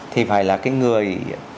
thì phải là cái người